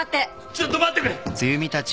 ちょっと待ってくれ！